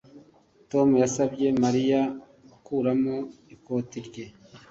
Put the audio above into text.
Tom yasabye Mariya gukuramo ikoti rye